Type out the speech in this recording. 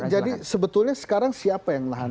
jadi sebetulnya sekarang siapa yang menahan